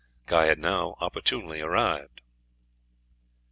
Guy had now opportunely arrived.